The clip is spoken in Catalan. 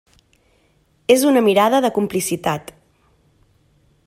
És una mirada de complicitat.